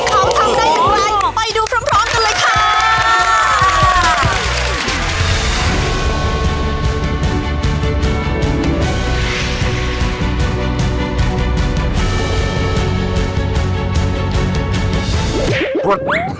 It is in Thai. เขาทำได้อย่างไรไปดูพร้อมกันเลยค่ะ